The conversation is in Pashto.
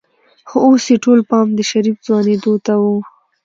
خو اوس يې ټول پام د شريف ځوانېدو ته و.